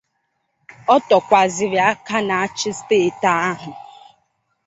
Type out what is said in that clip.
O tokwazịrị aka na-achị steeti ahụ